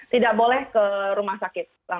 tidak boleh ke rumah sakit